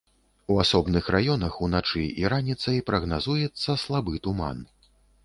У асобных раёнах уначы і раніцай прагназуецца слабы туман.